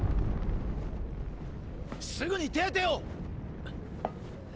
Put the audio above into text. すぐに手当てを！